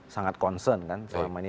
sangat concern kan